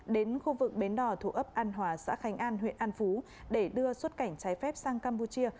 đến khu vực bến đỏ thuộc ấp an hòa xã khánh an huyện an phú để đưa xuất cảnh trái phép sang campuchia